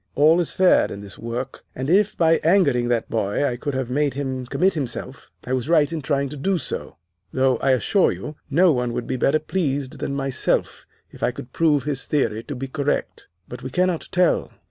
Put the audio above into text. All is fair in this work, and if by angering that boy I could have made him commit himself I was right in trying to do so; though, I assure you, no one would be better pleased than myself if I could prove his theory to be correct. But we cannot tell.